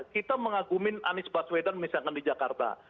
kita mengagumin anies baswedan misalkan di jakarta